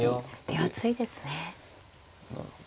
手厚いですね。